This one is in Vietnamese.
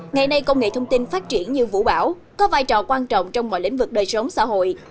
ngày nay công nghệ thông tin phát triển như vũ bảo có vai trò quan trọng trong mọi lĩnh vực đời sống xã hội